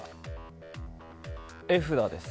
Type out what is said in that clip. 絵札です。